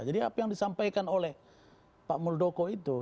jadi apa yang disampaikan oleh pak muldoko itu